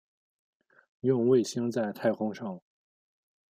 用卫星在太空上网